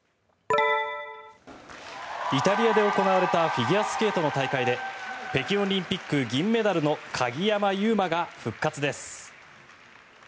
イタリアで行われたフィギュアスケートの大会で北京オリンピック銀メダルの鍵山優真が復活です。